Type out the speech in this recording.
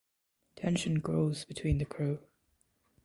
Tension grows between the crew.